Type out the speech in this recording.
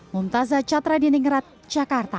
mumtazah chathra di ningerat jakarta